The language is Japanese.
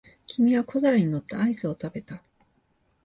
君は小皿に乗ったアイスを食べた。